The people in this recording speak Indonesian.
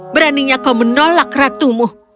beraninya kau menolak ratumu